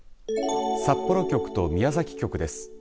札幌局と宮崎局です。